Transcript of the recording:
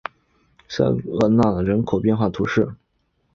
朗瑟奈人口变化图示